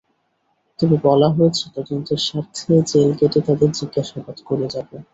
তবে বলা হয়েছে, তদন্তের স্বার্থে জেল গেটে তাঁদের জিজ্ঞাসাবাদ করা যাবে।